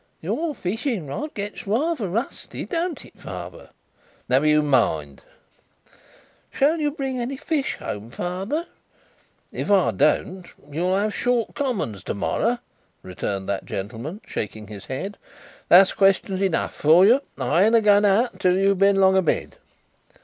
"Your fishing rod gets rayther rusty; don't it, father?" "Never you mind." "Shall you bring any fish home, father?" "If I don't, you'll have short commons, to morrow," returned that gentleman, shaking his head; "that's questions enough for you; I ain't a going out, till you've been long abed."